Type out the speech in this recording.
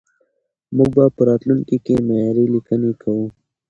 موږ به په راتلونکي کې معياري ليکنې کوو.